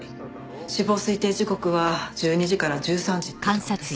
死亡推定時刻は１２時から１３時ってところです。